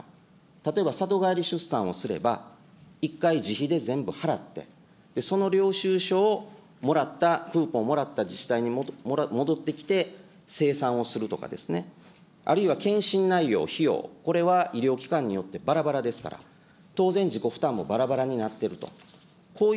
例えば里帰り出産をすれば、１回自費で全部払って、その領収書をもらった、クーポンをもらった自治体に戻ってきて精算をするとかですね、あるいは健診内容、費用、これは医療機関によってばらばらですから、当然、自己負担もばらばらになってると。